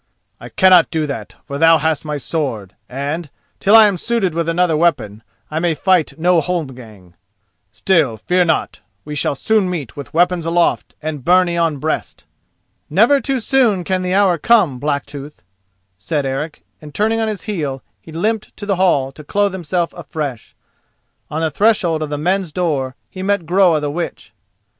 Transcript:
"I cannot do that, for thou hast my sword; and, till I am suited with another weapon, I may fight no holmgang. Still, fear not: we shall soon meet with weapons aloft and byrnie on breast." "Never too soon can the hour come, Blacktooth," said Eric, and turning on his heel, he limped to the hall to clothe himself afresh. On the threshold of the men's door he met Groa the Witch.